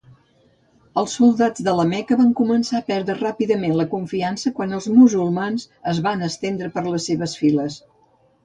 Els soldats de la Meca van començar a perdre ràpidament la confiança quan els musulmans es van estendre per les seves files.